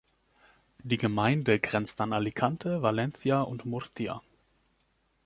Die Gemeinde grenzt an Alicante, Valencia und Murcia.